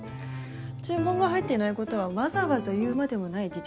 注文が入っていない事はわざわざ言うまでもない事実です。